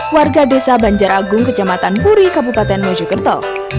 warga desa banjaragung kejamatan puri kabupaten mojokerto